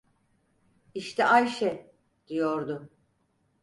İşte Ayşe, diyordu.